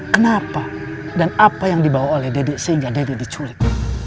kenapa dan apa yang dibawa oleh dede sehingga dede diculik